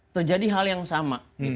terjadi hal yang sama